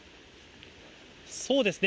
そうですね。